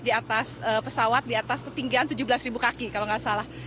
di atas pesawat di atas ketinggian tujuh belas kaki kalau nggak salah